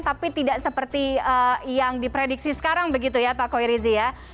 tapi tidak seperti yang diprediksi sekarang begitu ya pak koirizi ya